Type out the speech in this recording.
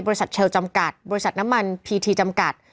เทลจำกัดบริษัทน้ำมันพีทีจำกัด